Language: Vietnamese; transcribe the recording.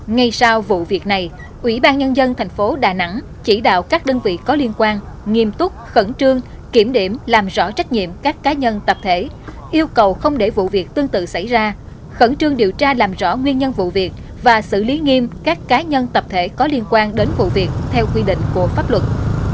ngay sau vụ việc này ủy ban nhân dân thành phố đà nẵng chỉ đạo các đơn vị có liên quan nghiêm túc khẩn trương kiểm điểm làm rõ trách nhiệm các cá nhân tập thể yêu cầu không để vụ việc tương tự xảy ra khẩn trương điều tra làm rõ nguyên nhân vụ việc và xử lý nghiêm các cá nhân tập thể có liên quan đến vụ việc theo quy định của pháp luật